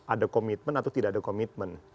ada komitmen atau tidak ada komitmen